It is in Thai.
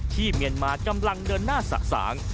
เมียนมากำลังเดินหน้าสะสาง